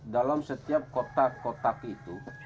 dalam setiap kotak kotak itu